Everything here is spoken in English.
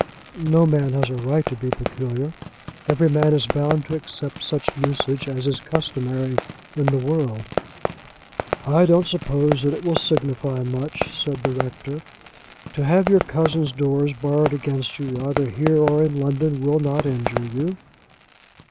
"No man has a right to be peculiar. Every man is bound to accept such usage as is customary in the world." "I don't suppose that it will signify much," said the rector. "To have your cousin's doors barred against you, either here or in London, will not injure you."